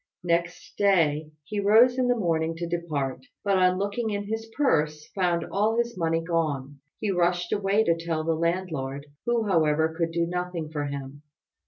Next day he rose in the morning to depart, but on looking in his purse found all his money gone. He rushed away to tell the landlord, who, however, could do nothing for him.